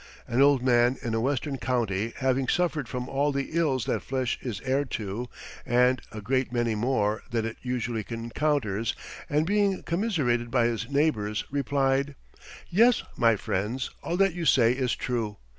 An old man in a Western county having suffered from all the ills that flesh is heir to, and a great many more than it usually encounters, and being commiserated by his neighbors, replied: "Yes, my friends, all that you say is true.